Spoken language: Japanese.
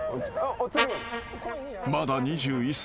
［まだ２１歳。